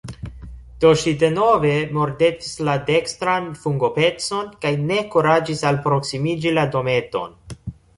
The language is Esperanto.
Do ŝi denove mordetis la dekstran fungopecon, kaj ne kuraĝis alproksimiĝi la dometon.